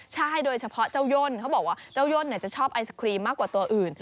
ใช่โดยเฉพาะเจ้าย่นเขาบอกว่าเจ้าย่นจะชอบไอศครีมมากกว่าตัวอื่น